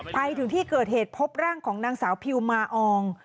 ไปถึงที่เกิดเหตุพบร่างของนางสาวพิวมาออง